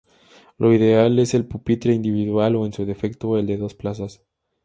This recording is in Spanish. Lo ideal es el pupitre individual o en su defecto, el de dos plazas.